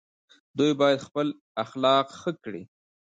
دوی باید خپل اخلاق ښه کړي.